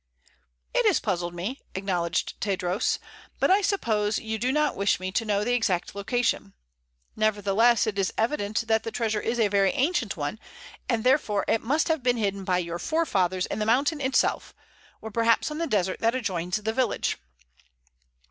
"It has puzzled me," acknowledged Tadros; "but I suppose you do not wish me to know the exact location. Nevertheless, it is evident that the treasure is a very ancient one, and therefore it must have been hidden by your forefathers in the mountain itself, or perhaps on the desert that adjoins the village."